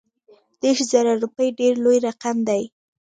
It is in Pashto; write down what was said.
دېرش زره روپي ډېر لوی رقم دی.